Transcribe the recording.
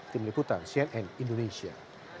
tim likutan cnn indonesia